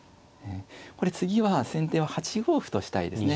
これ次は先手は８五歩としたいですね。